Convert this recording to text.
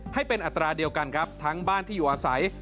ให้เป็นอัตราเดียวกันครับทั้งบ้านที่อยู่อาศัย